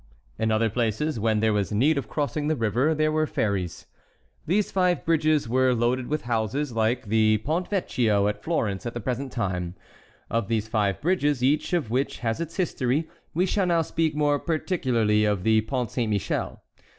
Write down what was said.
In other places when there was need of crossing the river there were ferries. These five bridges were loaded with houses like the Pont Vecchio at Florence at the present time. Of these five bridges, each of which has its history, we shall now speak more particularly of the Pont Saint Michel.